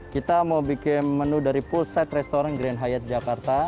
kita mau bikin menu dari full set restoran grand hyatt jakarta